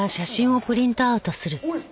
おい！